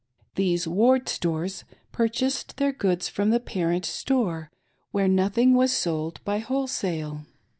These Ward stores purchased their goods from the parent store where nothing was sold by whole sale.